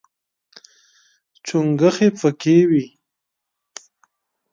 چونګښې پکې وي.